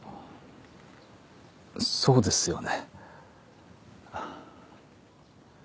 そうですよね。